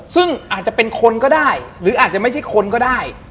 ซึ่งอาจจะเป็นคนก็ได้หรืออาจจะไม่ใช่คนก็ได้